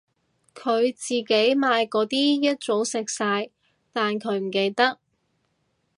佢自己買嗰啲一早食晒但佢唔記得